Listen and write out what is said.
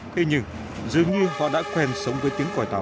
thế nhưng dường như họ đã quen sống với tiếng còi tàu